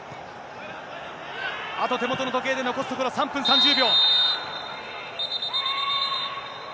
あと、手元の時計で残すところ３分３０秒。